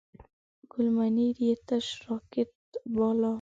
ګل منیر یې تش راکات باله.